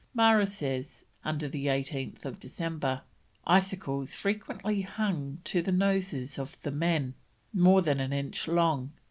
Marra says, under 18th December: "Icicles frequently hung to the noses of the men, more than an inch long...